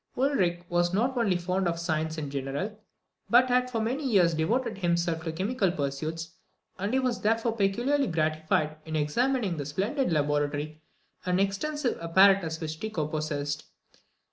Ulric was not only fond of science in general, but had for many years devoted himself to chemical pursuits, and he was therefore peculiarly gratified in examining the splendid laboratory and extensive apparatus which Tycho possessed.